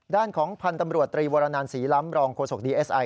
ด้านของพันธ์ตำรวจตรีวรนันศรีล้ำรองโฆษกดีเอสไอ